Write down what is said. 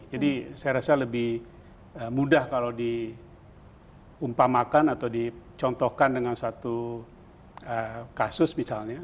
jadi saya rasa lebih mudah kalau diumpamakan atau dicontohkan dengan suatu kasus misalnya